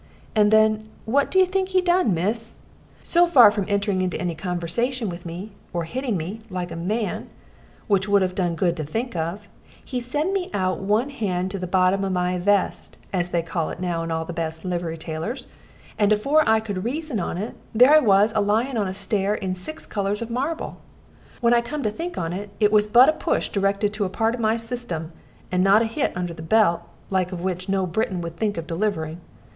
And then, what do you think he done, miss? So far from entering into any conversation with me, or hitting at me, like a man which would have done good to think of he send out one hand to the bottom of my vest as they call it now in all the best livery tailors and afore I could reason on it, there I was a lying on a star in six colors of marble. When I come to think on it, it was but a push directed to a part of my system, and not a hit under the belt, the like of which no Briton would think of delivering.